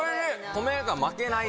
米が負けない。